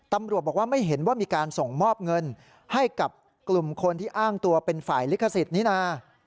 ตำรวจบอกว่าไม่เห็นว่ามีการส่งมอบเงินให้กับกลุ่มคนที่อ้างตัวเป็นฝ่ายลิขสิทธิ์นี้นะ